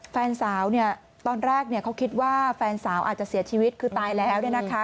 แฟนสาวเนี่ยตอนแรกเขาคิดว่าแฟนสาวอาจจะเสียชีวิตคือตายแล้วเนี่ยนะคะ